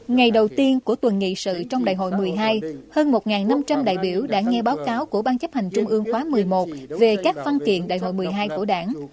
ngày đầu tiên của tuần nghị sự trong đại hội một mươi hai hơn một năm trăm linh đại biểu đã nghe báo cáo của ban chấp hành trung ương khóa một mươi một về các văn kiện đại hội một mươi hai của đảng